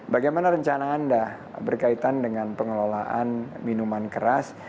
bagaimana rencana anda berkaitan dengan pengelolaan minuman keras